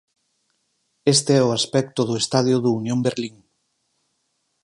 Este é o aspecto do estadio do Unión Berlín.